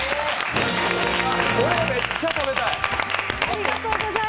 これめっちゃ食べたい。